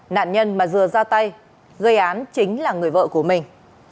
nạn nhân mà dừa ra tay gây án chính là người vợ của mình